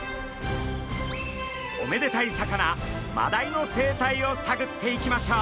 おめでたい魚マダイの生態をさぐっていきましょう！